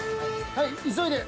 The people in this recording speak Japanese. はい急いで。